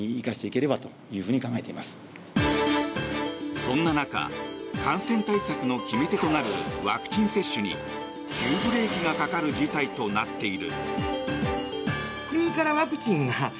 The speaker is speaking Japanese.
そんな中感染対策の決め手となるワクチン接種に急ブレーキがかかる事態となっている。